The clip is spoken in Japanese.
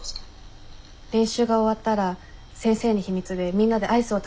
練習が終わったら先生に秘密でみんなでアイスを食べようと声をかけました。